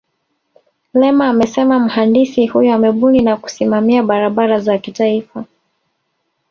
lema amesema mhandisi huyo amebuni na kusimamia barabara za kitaifa